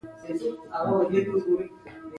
د ملک قادر کاکا د نارینتوب فلسفې اصل هم دادی.